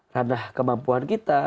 tanah kemampuan kita